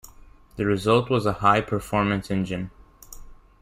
The result was a high performance engine.